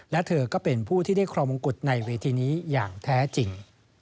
และเธอก็เป็นผู้ที่ได้ครองมงกุฎในเวทีนี้อย่างแท้จริง